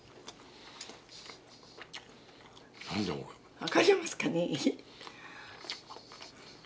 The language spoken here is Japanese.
「わかりますかね？」